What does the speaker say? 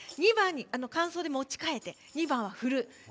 間奏で持ち替えて２番は振る。